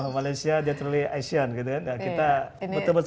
malaysia jatulimele asian gitu kan